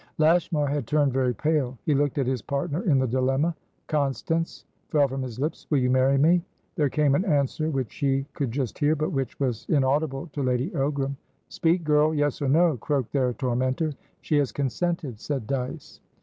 Lashmar had turned very pale. He looked at his partner in the dilemma. "Constance," fell from his lips, "will you marry me?" There came an answer which he could just hear, but which was inaudible to Lady Ogram. "Speak, girl! Yes or no!" croaked their tormentor. "She has consented," said Dyce.